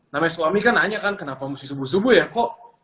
namanya suami kan nanya kan kenapa mesti subuh subuh ya kok